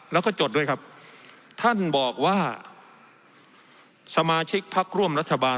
แล้วก็จดด้วยครับท่านบอกว่าสมาชิกพักร่วมรัฐบาล